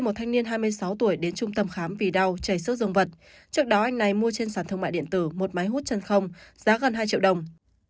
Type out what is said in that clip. một máy hút chân không giá gần hai triệu đồng